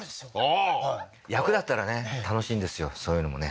ああー役だったらね楽しいんですよそういうのもね